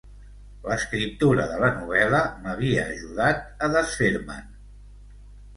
L'escriptura de la novel·la m'havia ajudat a desfer-me'n.